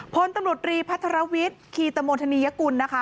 พลตำรวจรีพัทรวิทย์คีตโมธนียกุลนะคะ